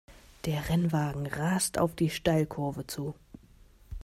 Der Rennwagen rast auf die Steilkurve zu.